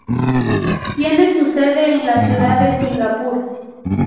Tiene su sede en la ciudad de Singapur.